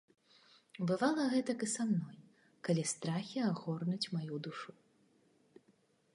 Бывала гэтак і са мной, калі страхі агорнуць маю душу.